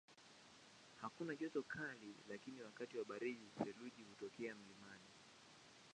Hakuna joto kali lakini wakati wa baridi theluji hutokea mlimani.